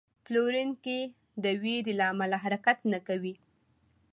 پلورونکی د ویرې له امله حرکت نه کوي.